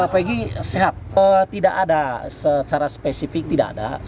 apalagi sehat tidak ada secara spesifik tidak ada